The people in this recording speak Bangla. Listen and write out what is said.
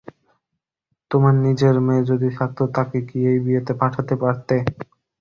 তোমার নিজের মেয়ে যদি থাকত তাকে কি এই বিয়েতে পাঠাতে পারতে?